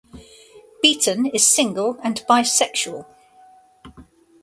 Beaton is single and bisexual.